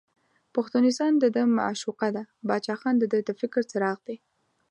پښتونستان دده معشوقه ده، باچا خان دده د فکر څراغ دی.